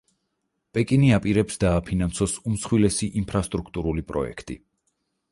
პეკინი აპირებს დააფინანსოს უმსხვილესი ინფრასტრუქტურული პროექტი.